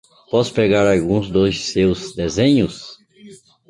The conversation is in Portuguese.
Posso pegar alguns dos seus desenhos?